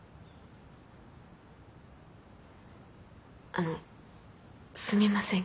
あのすみません。